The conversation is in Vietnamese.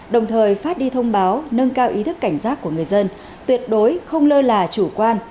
đồng thời phát đi thông báo nâng cao ý thức cảnh giác của người dân tuyệt đối không lơ là chủ quan